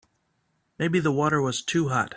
Maybe the water was too hot.